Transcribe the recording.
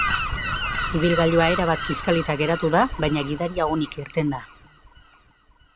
Ibilgailua erabat kiskalita geratu da, baina gidaria onik irten da.